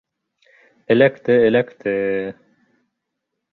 Эләкте, эләкте!